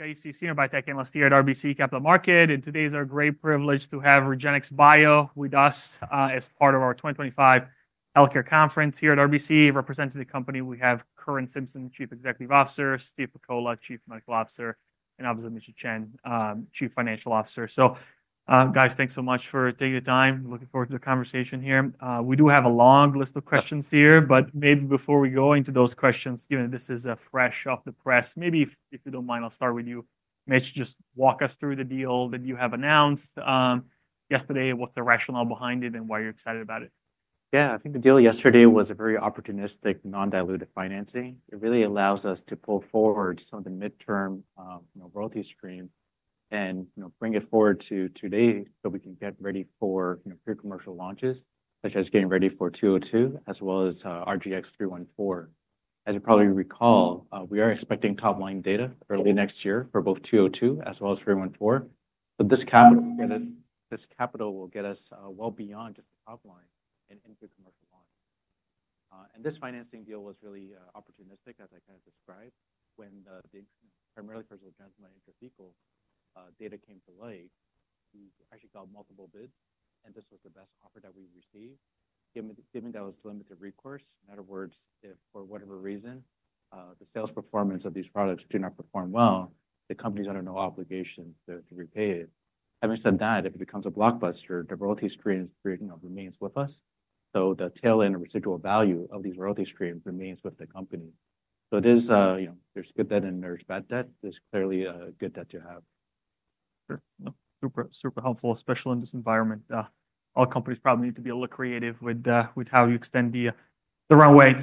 Okay, Steve, Senior Biotech Analyst here at RBC Capital Markets. Today is our great privilege to have REGENXBIO with us as part of our 2025 Healthcare Conference here at RBC, representing the company. We have Curran Simpson, Chief Executive Officer; Steve Pakola, Chief Medical Officer; and obviously Mitchell Chan, Chief Financial Officer. Guys, thanks so much for taking the time. Looking forward to the conversation here. We do have a long list of questions here, but maybe before we go into those questions, given this is fresh off the press, maybe if you don't mind, I'll start with you, Mitch, just walk us through the deal that you have announced yesterday, what's the rationale behind it, and why you're excited about it. Yeah, I think the deal yesterday was a very opportunistic, non-dilutive financing. It really allows us to pull forward some of the midterm royalty stream and bring it forward to today so we can get ready for pre-commercial launches, such as getting ready for 202, as well as RGX-314. As you probably recall, we are expecting top-line data early next year for both 202 as well as 314. This capital will get us well beyond just the top line and into commercial launch. This financing deal was really opportunistic, as I kind of described. When the primarily for genital and intrathecal data came to light, we actually got multiple bids, and this was the best offer that we received, given that it was limited recourse. In other words, if for whatever reason the sales performance of these products do not perform well, the company's under no obligation to repay it. Having said that, if it becomes a blockbuster, the royalty stream remains with us. The tail and residual value of these royalty streams remains with the company. There's good debt and there's bad debt. There's clearly a good debt to have. Sure. No, super, super helpful, especially in this environment. All companies probably need to be a little creative with how you extend the runway.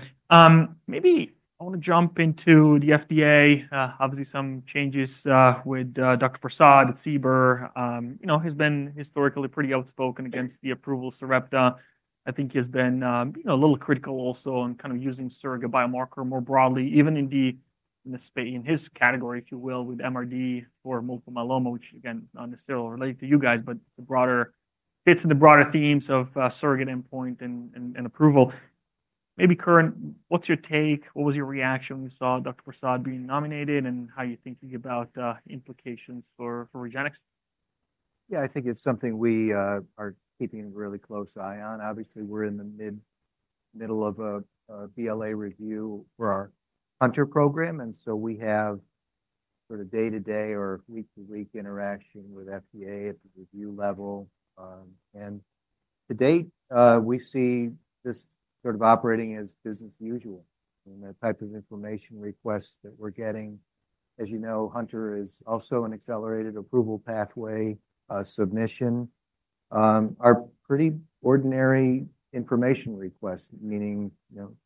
Maybe I want to jump into the FDA. Obviously, some changes with Dr. Prasad at CBER has been historically pretty outspoken against the approval of Sarepta. I think he has been a little critical also on kind of using surrogate biomarker more broadly, even in his category, if you will, with MRD for multiple myeloma, which, again, not necessarily related to you guys, but it fits in the broader themes of surrogate endpoint and approval. Maybe Curran, what's your take? What was your reaction when you saw Dr. Prasad being nominated and how you're thinking about implications for REGENXBIO? Yeah, I think it's something we are keeping a really close eye on. Obviously, we're in the middle of a BLA review for our Hunter program. And so we have sort of day-to-day or week-to-week interaction with FDA at the review level. To date, we see this sort of operating as business as usual. The type of information requests that we're getting, as you know, Hunter is also an accelerated approval pathway submission, are pretty ordinary information requests, meaning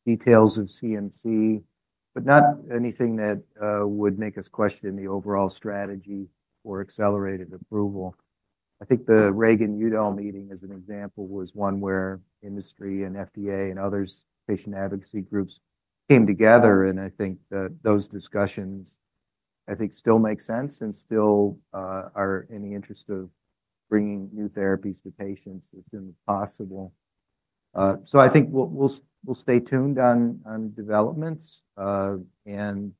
details of CMC, but not anything that would make us question the overall strategy for accelerated approval. I think the Reagan-Udell meeting, as an example, was one where industry and FDA and others, patient advocacy groups, came together. I think those discussions, I think, still make sense and still are in the interest of bringing new therapies to patients as soon as possible. I think we'll stay tuned on developments and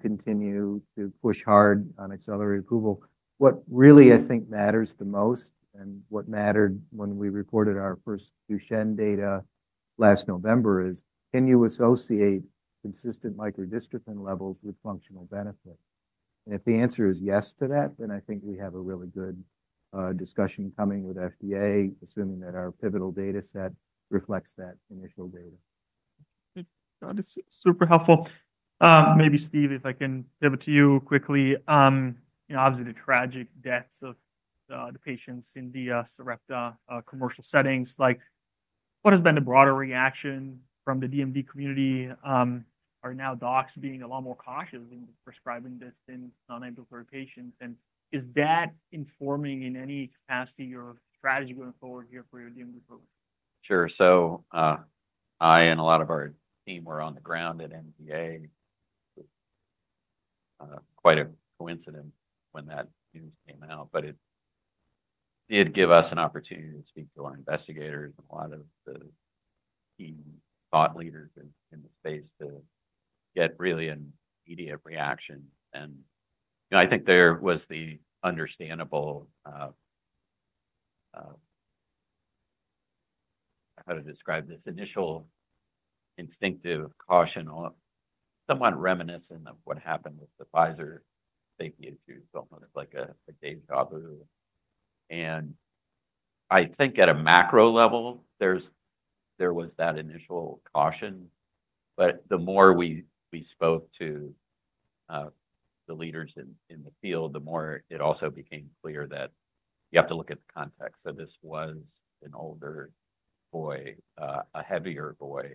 continue to push hard on accelerated approval. What really, I think, matters the most and what mattered when we reported our first Duchenne data last November is, can you associate consistent microdystrophin levels with functional benefit? If the answer is yes to that, then I think we have a really good discussion coming with FDA, assuming that our pivotal data set reflects that initial data. That is super helpful. Maybe, Steve, if I can pivot to you quickly. Obviously, the tragic deaths of the patients in the Sarepta commercial settings, like what has been the broader reaction from the DMD community? Are now docs being a lot more cautious in prescribing this in non-ambulatory patients? Is that informing in any capacity your strategy going forward here for your DMD program? Sure. I and a lot of our team were on the ground at NDA. It was quite a coincidence when that news came out, but it did give us an opportunity to speak to our investigators and a lot of the key thought leaders in the space to get really an immediate reaction. I think there was the understandable, how to describe this, initial instinctive caution, somewhat reminiscent of what happened with the Pfizer safety issues, almost like a déjà vu. I think at a macro level, there was that initial caution. The more we spoke to the leaders in the field, the more it also became clear that you have to look at the context. This was an older boy, a heavier boy,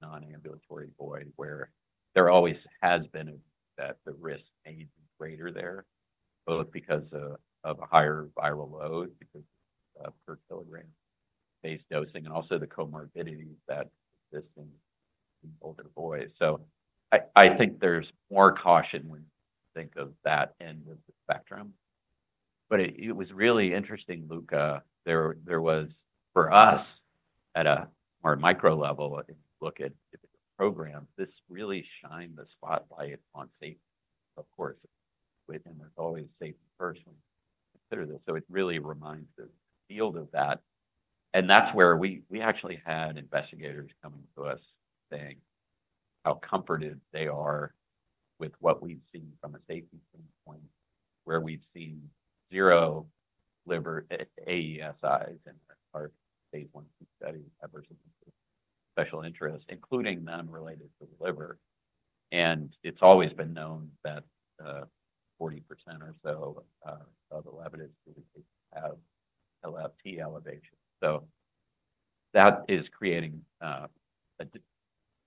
non-ambulatory boy, where there always has been that the risk may be greater there, both because of a higher viral load per kilogram-based dosing and also the comorbidities that exist in older boys. I think there's more caution when you think of that end of the spectrum. It was really interesting, Luca. There was, for us at a more micro level, if you look at different programs, this really shined the spotlight on safety, of course. There's always safety first when you consider this. It really reminds the field of that. That's where we actually had investigators coming to us saying how comforted they are with what we've seen from a safety standpoint, where we've seen zero liver AESIs in our phase I study that were of special interest, including none related to the liver. It has always been known that 40% or so of the levitates have LFT elevation. That is creating and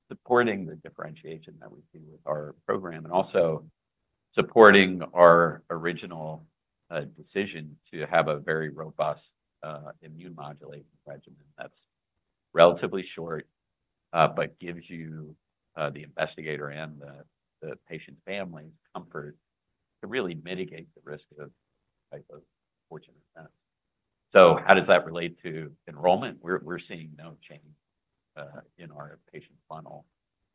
supporting the differentiation that we see with our program and also supporting our original decision to have a very robust immune modulation regimen that is relatively short, but gives you, the investigator, and the patient families comfort to really mitigate the risk of this type of fortunate event. How does that relate to enrollment? We are seeing no change in our patient funnel.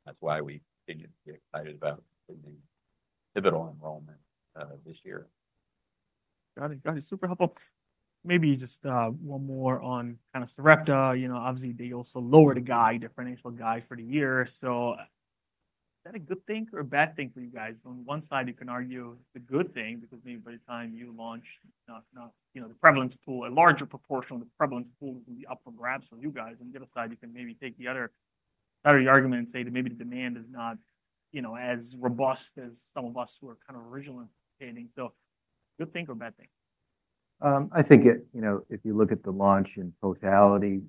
That is why we continue to be excited about the pivotal enrollment this year. Got it. Got it. Super helpful. Maybe just one more on kind of Sarepta. Obviously, they also lowered the guide, differential guide for the year. Is that a good thing or a bad thing for you guys? On one side, you can argue it's a good thing because maybe by the time you launch, the prevalence pool, a larger proportion of the prevalence pool will be up for grabs for you guys. On the other side, you can maybe take the other argument and say that maybe the demand is not as robust as some of us who were kind of originally anticipating. Good thing or bad thing? I think if you look at the launch in totality,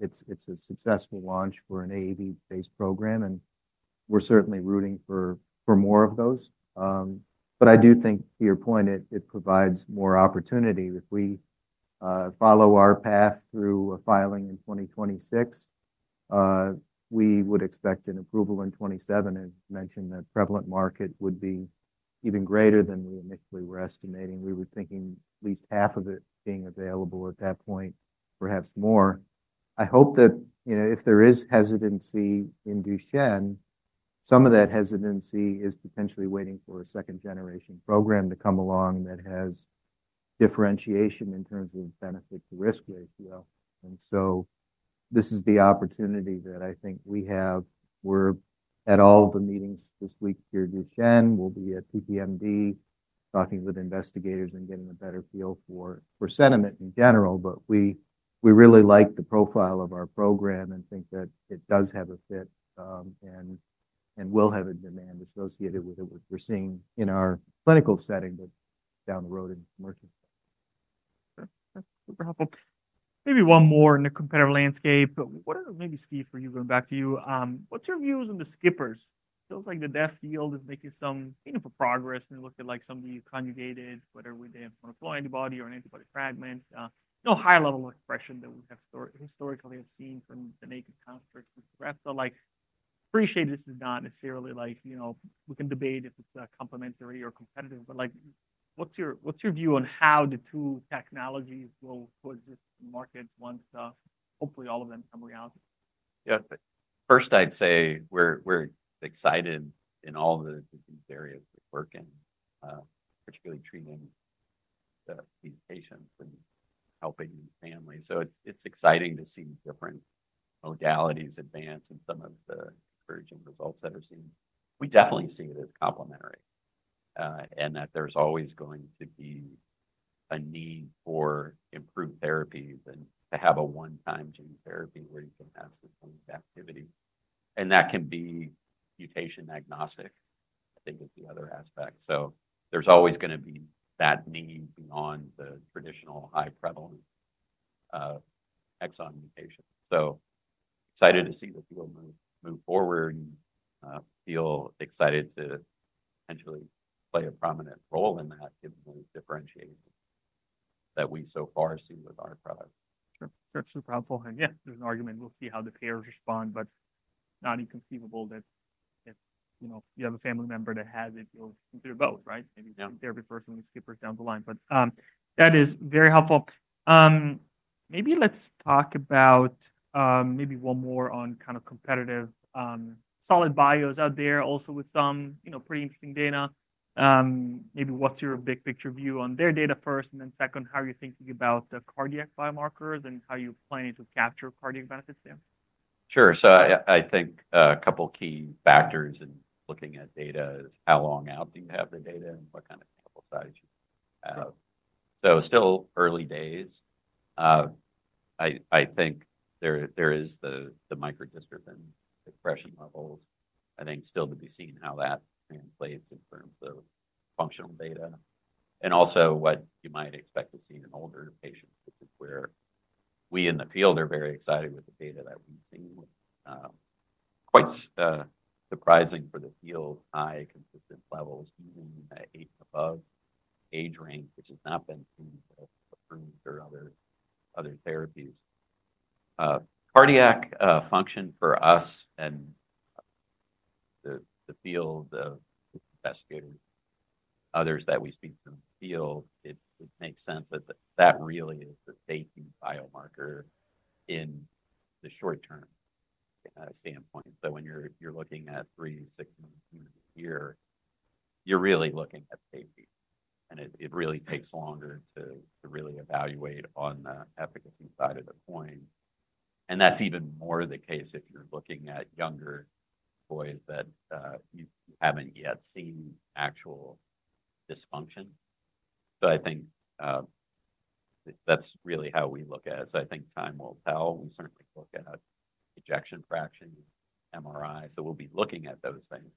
it's a successful launch for an AAV-based program. We're certainly rooting for more of those. I do think, to your point, it provides more opportunity. If we follow our path through a filing in 2026, we would expect an approval in 2027. As you mentioned, the prevalent market would be even greater than we initially were estimating. We were thinking at least half of it being available at that point, perhaps more. I hope that if there is hesitancy in Duchenne, some of that hesitancy is potentially waiting for a second-generation program to come along that has differentiation in terms of benefit to risk ratio. This is the opportunity that I think we have. We're at all the meetings this week here at Duchenne. We'll be at PPMD talking with investigators and getting a better feel for sentiment in general. We really like the profile of our program and think that it does have a fit and will have a demand associated with it, which we're seeing in our clinical setting, but down the road in commercial. That's super helpful. Maybe one more in the competitive landscape. Maybe, Steve, for you, going back to you, what's your views on the skippers? It feels like the DMD field is making some meaningful progress when you look at some of the conjugated, whether with the monoclonal antibody or an antibody fragment, no high-level expression that we have historically seen from the naked constructs with Sarepta. Appreciate this is not necessarily like we can debate if it's complementary or competitive, but what's your view on how the two technologies will coexist in the market once hopefully all of them become reality? Yeah. First, I'd say we're excited in all the different areas we work in, particularly treating these patients and helping the family. It's exciting to see different modalities advance and some of the encouraging results that are seen. We definitely see it as complementary and that there's always going to be a need for improved therapies and to have a one-time gene therapy where you can have some activity. That can be mutation agnostic, I think, is the other aspect. There's always going to be that need beyond the traditional high-prevalent exon mutation. Excited to see the field move forward and feel excited to potentially play a prominent role in that, given the differentiation that we so far see with our product. Sure. That's super helpful. Yeah, there's an argument. We'll see how the payers respond, but it's not inconceivable that if you have a family member that has it, you'll consider both, right? Maybe some therapy first, maybe skippers down the line. That is very helpful. Maybe let's talk about one more on kind of competitive solid bios out there also with some pretty interesting data. What's your big picture view on their data first? Then, how are you thinking about the cardiac biomarkers and how you plan to capture cardiac benefits there? Sure. I think a couple of key factors in looking at data is how long out do you have the data and what kind of sample size you have. Still early days. I think there is the microdystrophin expression levels. I think still to be seen how that translates in terms of functional data and also what you might expect to see in older patients, which is where we in the field are very excited with the data that we've seen. Quite surprising for the field, high consistent levels, even at age above age range, which has not been approved or other therapies. Cardiac function for us and the field of investigators, others that we speak to in the field, it makes sense that that really is the safety biomarker in the short-term standpoint. When you're looking at three, six, and a year here, you're really looking at safety. It really takes longer to really evaluate on the efficacy side of the coin. That's even more the case if you're looking at younger boys that you haven't yet seen actual dysfunction. I think that's really how we look at it. I think time will tell. We certainly look at ejection fraction, MRI. We'll be looking at those things.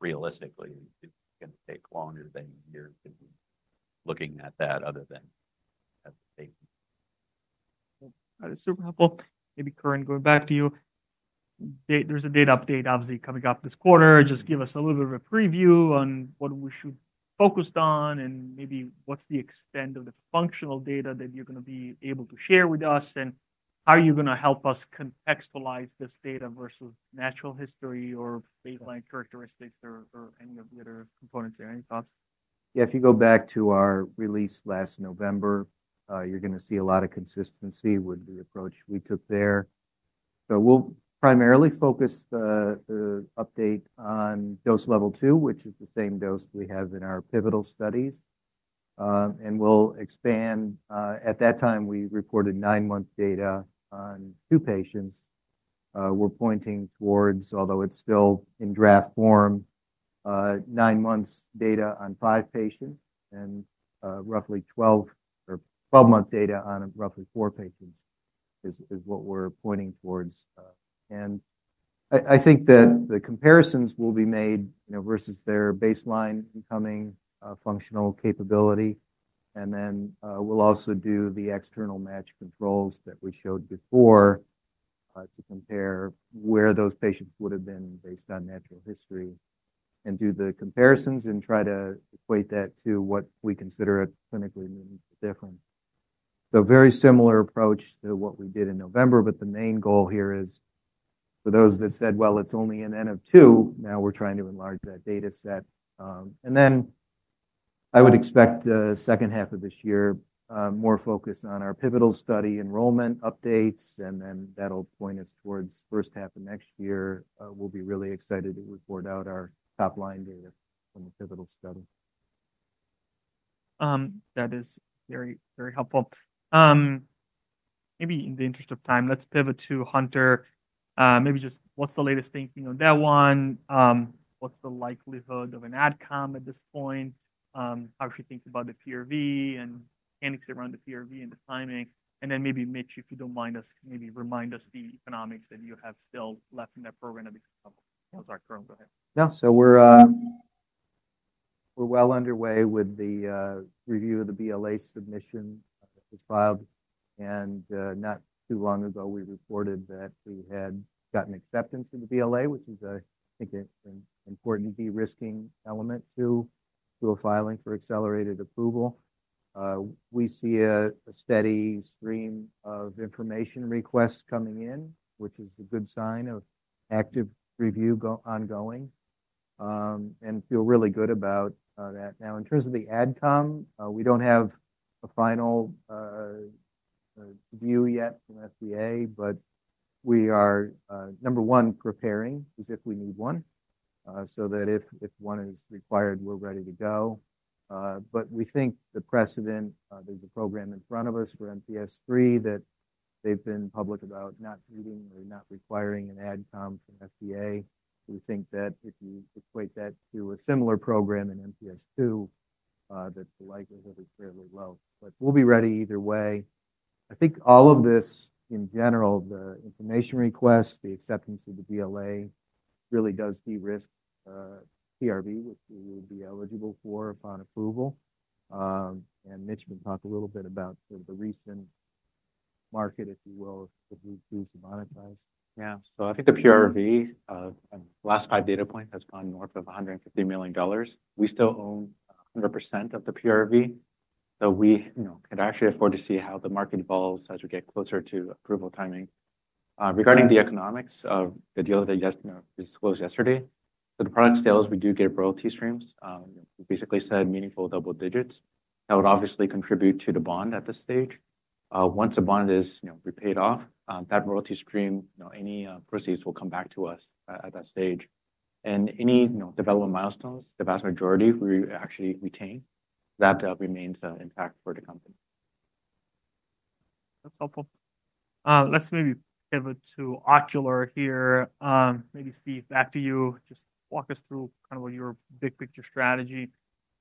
Realistically, it's going to take longer than a year to be looking at that other than as a safety. That is super helpful. Maybe, Curran, going back to you, there's a data update, obviously, coming up this quarter. Just give us a little bit of a preview on what we should focus on and maybe what's the extent of the functional data that you're going to be able to share with us and how you're going to help us contextualize this data versus natural history or baseline characteristics or any of the other components there. Any thoughts? Yeah. If you go back to our release last November, you're going to see a lot of consistency with the approach we took there. We'll primarily focus the update on dose level two, which is the same dose we have in our pivotal studies. We'll expand. At that time, we reported nine-month data on two patients. We're pointing towards, although it's still in draft form, nine-month data on five patients and roughly 12-month data on roughly four patients is what we're pointing towards. I think that the comparisons will be made versus their baseline incoming functional capability. We'll also do the external match controls that we showed before to compare where those patients would have been based on natural history and do the comparisons and try to equate that to what we consider a clinically meaningful difference. Very similar approach to what we did in November, but the main goal here is for those that said, "Well, it's only an N of two." Now we're trying to enlarge that data set. I would expect the second half of this year, more focus on our pivotal study enrollment updates. That'll point us towards the first half of next year. We'll be really excited to report out our top-line data from the pivotal study. That is very, very helpful. Maybe in the interest of time, let's pivot to Hunter. Maybe just what's the latest thinking on that one? What's the likelihood of an adcom at this point? Obviously, thinking about the PRV and mechanics around the PRV and the timing. And then maybe, Mitch, if you don't mind us maybe remind us the economics that you have still left in that program. That was our current go ahead. Yeah. So we're well underway with the review of the BLA submission that was filed. Not too long ago, we reported that we had gotten acceptance of the BLA, which is, I think, an important derisking element to a filing for accelerated approval. We see a steady stream of information requests coming in, which is a good sign of active review ongoing. I feel really good about that. Now, in terms of the adcom, we don't have a final view yet from FDA, but we are, number one, preparing as if we need one so that if one is required, we're ready to go. We think the precedent, there's a program in front of us for MPS III that they've been public about not needing or not requiring an adcom from FDA. We think that if you equate that to a similar program in MPS II, that the likelihood is fairly low. We will be ready either way. I think all of this, in general, the information request, the acceptance of the BLA really does derisk PRV, which we would be eligible for upon approval. Mitch can talk a little bit about the recent market, if you will, of the disease monetized. Yeah. So I think the PRV, last five data points has gone north of $150 million. We still own 100% of the PRV, so we can actually afford to see how the market evolves as we get closer to approval timing. Regarding the economics of the deal that you disclosed yesterday, for the product sales, we do get royalty streams. We basically said meaningful double digits. That would obviously contribute to the bond at this stage. Once the bond is repaid off, that royalty stream, any proceeds will come back to us at that stage. Any development milestones, the vast majority we actually retain, that remains intact for the company. That's helpful. Let's maybe pivot to ocular here. Maybe, Steve, back to you. Just walk us through kind of your big picture strategy.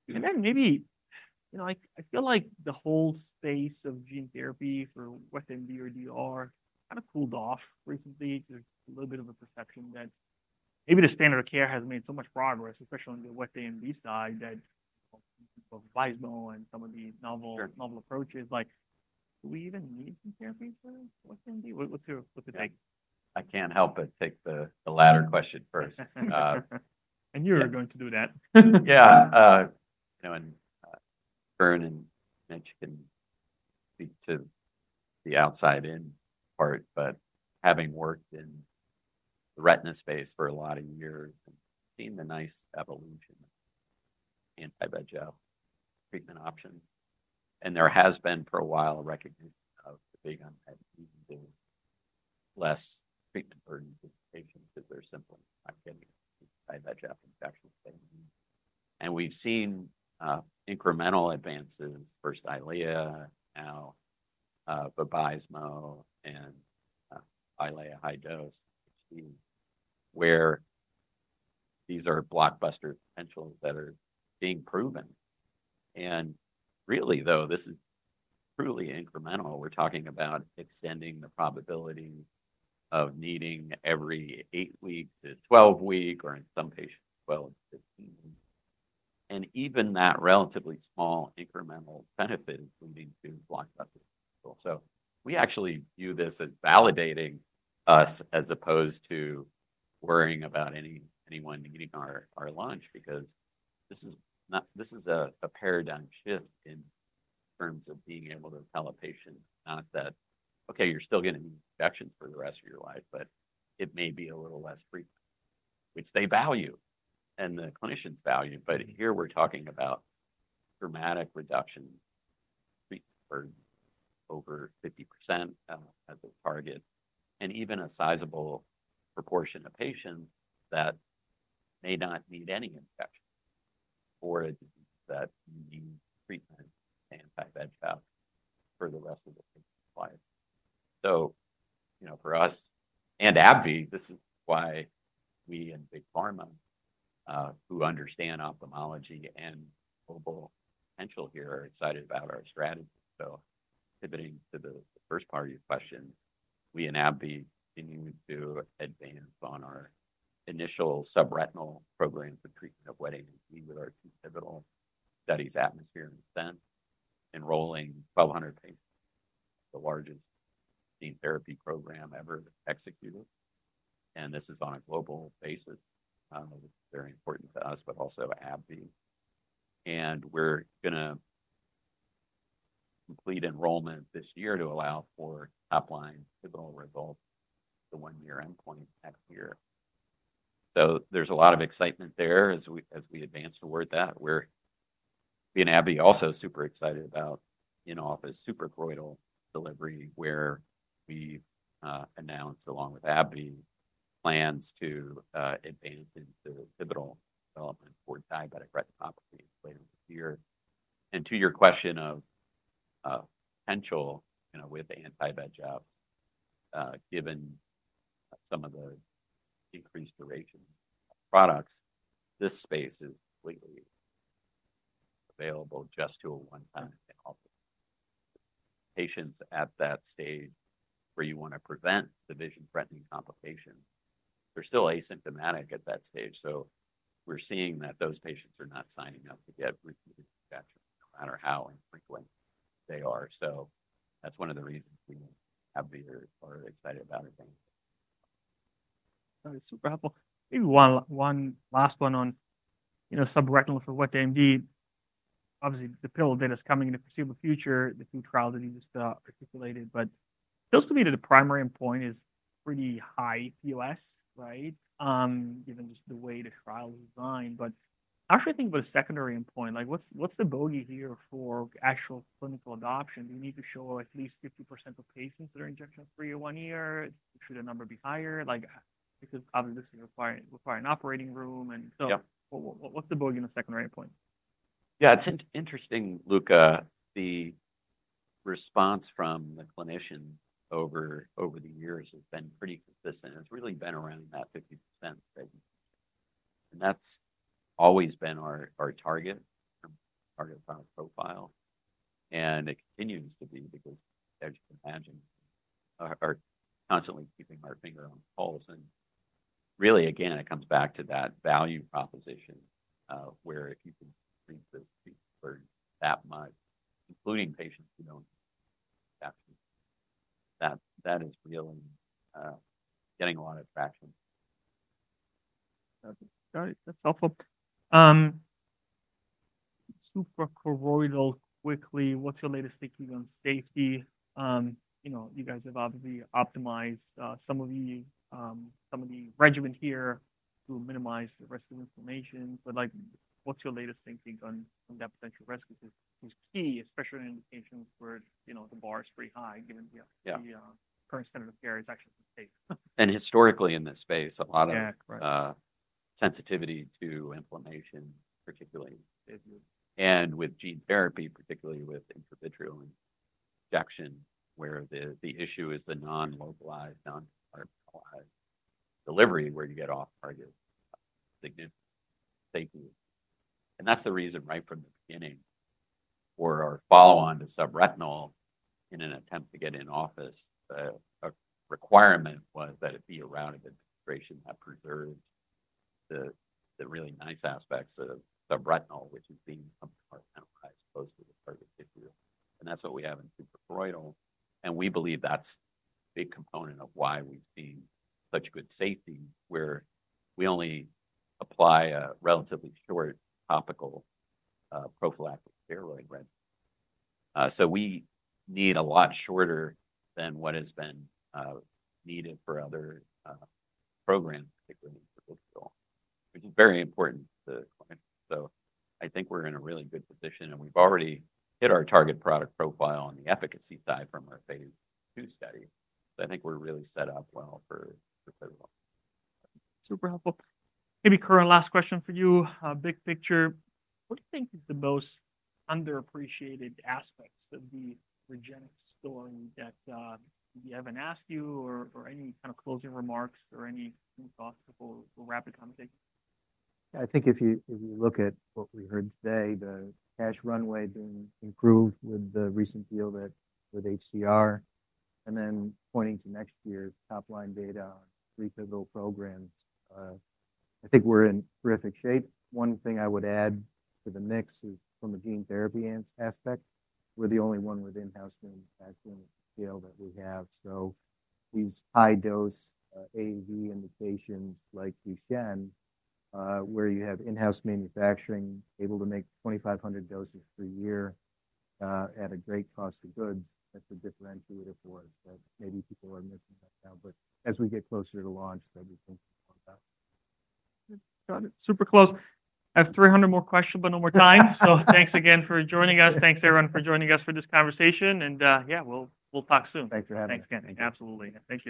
I feel like the whole space of gene therapy for wet AMD or DR kind of cooled off recently. There's a little bit of a perception that maybe the standard of care has made so much progress, especially on the wet AMD side, that both Vabysmo and some of these novel approaches, do we even need some therapy for wet AMD? What's your take? I can't help but take the latter question first. You're going to do that. Yeah. Curran and Mitch can speak to the outside-in part, but having worked in the retina space for a lot of years and seen the nice evolution of anti-VEGF treatment options, and there has been for a while a recognition of the big unpredictability, less treatment burden for patients because they're simply not getting anti-VEGF injections. We've seen incremental advances, first Eylea, now Vabysmo and Eylea high dose, where these are blockbuster potentials that are being proven. Really, though, this is truly incremental. We're talking about extending the probability of needing every eight-week to 12-week or in some patients, 12-15 weeks. Even that relatively small incremental benefit is leading to blockbuster potential. We actually view this as validating us as opposed to worrying about anyone needing our lunch because this is a paradigm shift in terms of being able to tell a patient not that, "Okay, you're still going to need injections for the rest of your life," but it may be a little less frequent, which they value and the clinicians value. Here we're talking about dramatic reduction treatment burden over 50% as a target and even a sizable proportion of patients that may not need any injection for a disease that needs treatment, anti-VEGF for the rest of the patient's life. For us and AbbVie, this is why we in Big Pharma, who understand ophthalmology and global potential here, are excited about our strategy. Pivoting to the first part of your question, we and AbbVie continue to advance on our initial subretinal program for treatment of wet AMD with our two pivotal studies, ATMOSPHERE and ASCENT, enrolling 1,200 patients, the largest gene therapy program ever executed. This is on a global basis. It's very important to us, but also AbbVie. We're going to complete enrollment this year to allow for top-line pivotal results to one-year endpoint next year. There's a lot of excitement there as we advance toward that. We and AbbVie are also super excited about in-office suprachoroidal delivery where we've announced along with AbbVie plans to advance into pivotal development for diabetic retinopathy later this year. To your question of potential with anti-VEGF, given some of the increased duration of products, this space is completely available just to a one-time in-office patients at that stage where you want to prevent the vision-threatening complication. They're still asymptomatic at that stage. We're seeing that those patients are not signing up to get repeated injections no matter how infrequent they are. That's one of the reasons we at AbbVie are excited about advancing. That is super helpful. Maybe one last one on subretinal for wet AMD. Obviously, the pivotal data is coming in the foreseeable future, the two trials that you just articulated, but it feels to me that the primary endpoint is pretty high POS, right, given just the way the trial is designed. I'm actually thinking about a secondary endpoint. What's the bogey here for actual clinical adoption? Do we need to show at least 50% of patients that are injection-free in one year? Should the number be higher? This is requiring an operating room. What is the bogey in the secondary endpoint? Yeah. It's interesting, Luca. The response from the clinicians over the years has been pretty consistent. It's really been around that 50% segmentation. That's always been our target profile. It continues to be because, as you can imagine, we're constantly keeping our finger on the pulse. It really, again, comes back to that value proposition where if you can increase the disease burden that much, including patients who don't need injections, that is really getting a lot of traction. Got it. That's helpful. Suprachoroidal, quickly, what's your latest thinking on safety? You guys have obviously optimized some of the regimen here to minimize the risk of inflammation. What's your latest thinking on that potential risk, which is key, especially in patients where the bar is pretty high given the current standard of care is actually pretty safe? Historically in this space, a lot of sensitivity to inflammation, particularly. With gene therapy, particularly with intravitreal injection, where the issue is the non-localized, non-hardened delivery where you get off-target, significant safety. That is the reason, right from the beginning, for our follow-on to subretinal in an attempt to get in office, a requirement was that it be around an administration that preserved the really nice aspects of subretinal, which is being sub-hardened as opposed to the target tissue. That is what we have in suprachoroidal. We believe that is a big component of why we have seen such good safety where we only apply a relatively short topical prophylactic steroid regimen. We need a lot shorter than what has been needed for other programs, particularly in pivotal, which is very important to the clinician. I think we are in a really good position. We've already hit our target product profile on the efficacy side from our phase II study. I think we're really set up well for pivotal. Super helpful. Maybe Curran, last question for you. Big picture, what do you think is the most underappreciated aspect of the REGENXBIO story that we haven't asked you or any kind of closing remarks or any thoughts before a rapid conversation? Yeah. I think if you look at what we heard today, the cash runway being improved with the recent deal with HCR, and then pointing to next year's top-line data on three pivotal programs, I think we're in terrific shape. One thing I would add to the mix is from a gene therapy aspect, we're the only one with in-house manufacturing scale that we have. So these high-dose AAV indications like Lushen, where you have in-house manufacturing able to make 2,500 doses per year at a great cost of goods, that's a differentiator for us that maybe people are missing right now. As we get closer to launch, that we think more about. Got it. Super close. I have 300 more questions, but no more time. Thanks again for joining us. Thanks, everyone, for joining us for this conversation. Yeah, we'll talk soon. Thanks for having me. Thanks again. Absolutely. Thank you.